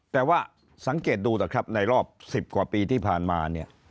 แต่ว่าสังเกตดูนะครับในรอบ๑๐กว่าปีที่ผ่านมาเนี่ย